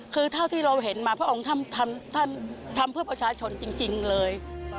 คือเท่าที่เราเห็นมาพระองค์ท่านทำเพื่อประชาชนจริงเลย